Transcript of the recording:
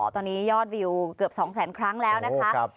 ตอนนี้ยอดวิวเกือบ๒แสนครั้งแล้วนะคะ